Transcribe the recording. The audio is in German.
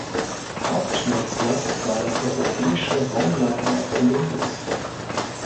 Hauptnutzlast war das europäische Raumlabor Columbus.